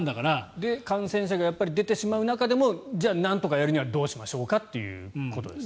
で、感染者が出てしまう中でもなんとかやるにはどうしましょうかということですよね。